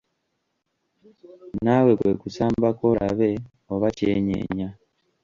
Naawe kwe kusambako olabe oba kyenyeenya.